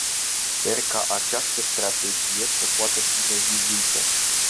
Sper ca această strategie să poată fi revizuită.